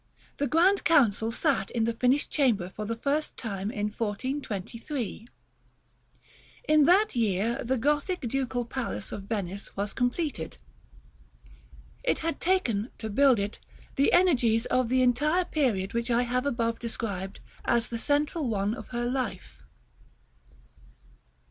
The Grand Council sat in the finished chamber for the first time in 1423. In that year the Gothic Ducal Palace of Venice was completed. It had taken, to build it, the energies of the entire period which I have above described as the central one of her life.